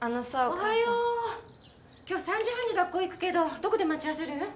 おはよう今日３時半に学校行くけどどこで待ち合わせる？